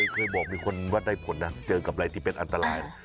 คุณลองแกล้งตาย